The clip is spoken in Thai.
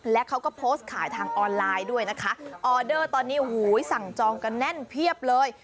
และเขาก็โพสต์ขายทางออนไลน์ด้วยนะคะออเดอร์ตอนนี้หูยสั่งจองกันแน่นเพียบเลย